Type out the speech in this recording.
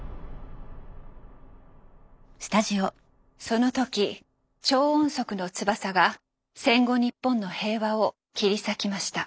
その時超音速の翼が戦後日本の平和を切り裂きました。